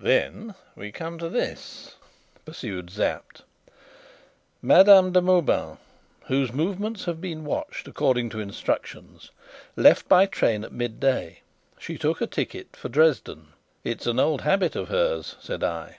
"Then we come to this," pursued Sapt: "'Madame de Mauban, whose movements have been watched according to instructions, left by train at midday. She took a ticket for Dresden '" "It's an old habit of hers," said I.